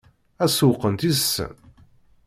Ad sewweqent yid-sen?